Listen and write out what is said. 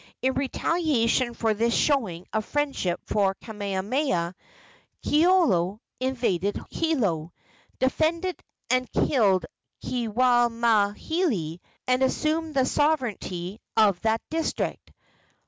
In retaliation for this showing of friendship for Kamehameha, Keoua invaded Hilo, defeated and killed Keawemauhili, and assumed the sovereignty of that district.